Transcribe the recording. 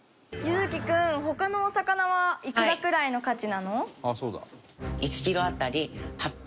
柚貴君他のお魚はいくらくらいの価値なの？